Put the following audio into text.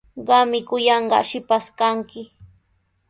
Qami kuyanqaa shipash kanki.